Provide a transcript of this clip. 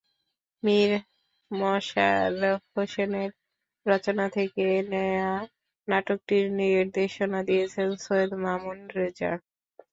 মীর মশাররফ হোসেনের রচনা থেকে নেয়া নাটকটির নির্দেশনা দিয়েছেন সৈয়দ মামুন রেজা।